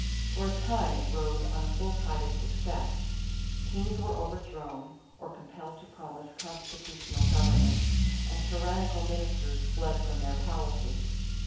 For a time it rode on a full tide of success. Kings were overthrown, or compelled to promise constitutional government, and tyrannical ministers fled from their palaces.